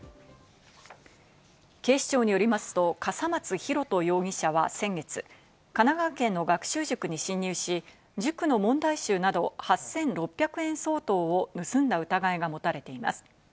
警視庁によりますと、笠松大翔容疑者は先月、神奈川県の学習塾に侵入し、塾の問題集など８６００円相当を盗んだ疑いが持たれています。